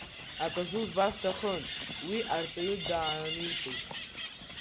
Аказы узбар сҭахын, уи Арҵаҩы дааникылт.